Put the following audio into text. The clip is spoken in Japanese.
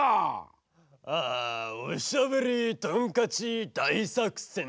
あ「おしゃべりトンカチだいさくせん」